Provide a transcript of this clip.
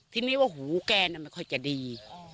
ทิ้งให้ว่าหูแกน่าไม่ค่อยจะดี